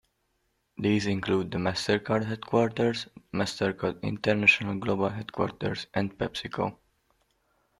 These include the MasterCard headquarters, MasterCard International Global Headquarters, and PepsiCo.